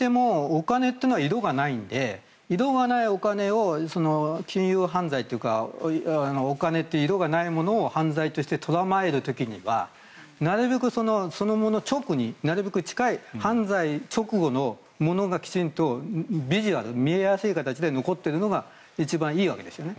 お金というのは色がないので色がないお金を金融犯罪というかお金って色がないものを犯罪としてとらまえる時にはなるべくそのもの直になるべく近い犯罪直後のものがきちんとビジュアル見えやすい形で残っているのが一番いいわけですよね。